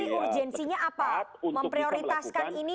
tapi urgensinya apa memprioritaskan ini